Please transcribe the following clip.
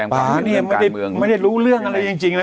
ป่าเนี่ยไม่ได้รู้เรื่องอะไรจริงเลย